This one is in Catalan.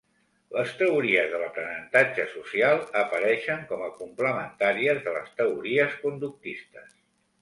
Les teories de l'aprenentatge social apareixen com a complementàries de les teories conductistes.